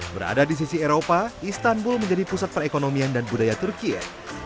berada di sisi eropa istanbul menjadi pusat perekonomian dan budaya turkiye